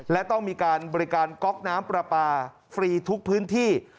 และต้องมีการบริการก๊อกน้ำปลาปลาฟรีทุกพื้นที่